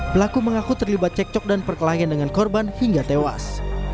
pelaku mengaku terlibat cekcok dan perkelahian dengan korban hingga tewas